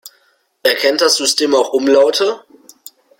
Erkennt das System auch Umlaute?